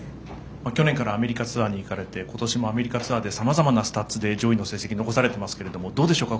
去年からアメリカツアーに行かれて今年もアメリカツアーでさまざまなスタッツで上位の成績、残されていますけどどうでしょうか。